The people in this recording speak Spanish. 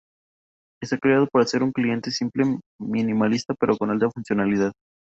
Está creado para ser un cliente simple, minimalista, pero con alta funcionalidad.